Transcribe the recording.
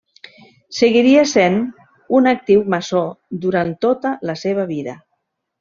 Seguiria sent un actiu maçó durant tota la seva vida.